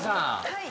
はい。